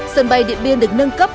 sân bay điện biên được nâng cấp